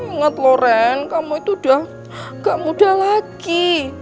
ingat loh ren kamu itu udah gak muda lagi